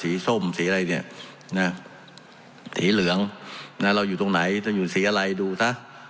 ในแผนภูมิสิเหลืองเราอยู่ตรงไหนตรงสีอะไรดูซะ